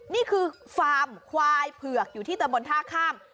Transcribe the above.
นี่คือฟาร์มควายเผือกอยู่ที่ตะบนท่าข้าม